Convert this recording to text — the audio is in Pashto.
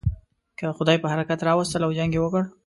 که خدای پر حرکت را وستل او جنګ یې وکړ.